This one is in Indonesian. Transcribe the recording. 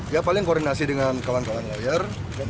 ya paling koordinasi dengan kawan kawan layar